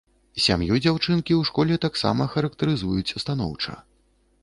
Сям'ю дзяўчынкі ў школе таксама характарызуюць станоўча.